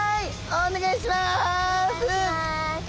お願いします。